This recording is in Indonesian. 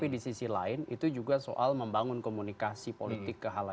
dan juga memberikan particular